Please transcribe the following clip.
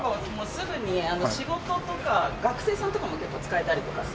すぐに仕事とか学生さんとかも結構使えたりとかするんですけど。